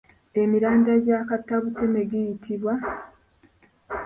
Emirandira gya kattabuteme giyitibwa?